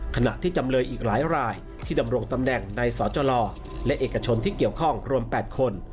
ขณะที่จำเลยอีกหลายรายที่ดำรงตำแหน่งในสจและเอกชนที่เกี่ยวข้องรวม๘คน